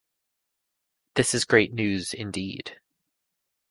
This is great news, indeed.